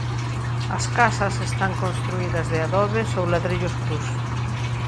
As casas están construídas de adobes ou ladrillos crus.